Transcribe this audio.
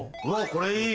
これいい。